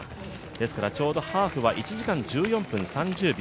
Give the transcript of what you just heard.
ですからちょうどハーフは１時間１４分３０秒。